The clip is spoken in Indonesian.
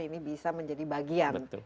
ini bisa menjadi bagian